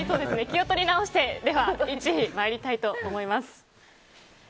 気を取り直して１位に参りたいと思います。